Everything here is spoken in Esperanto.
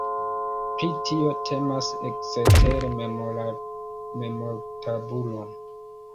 Pri tio temas ekstere memortabulo.